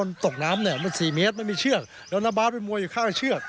มันตกน้ำเนี่ยมันสี่เมตรไม่มีเชือกแล้วน้าบาสเป็นมวยอยู่ข้างเชือก